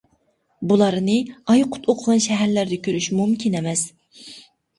بۇلارنى ئايقۇت ئوقۇغان شەھەرلەردە كۆرۈش مۇمكىن ئەمەس.